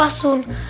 ya siap lasun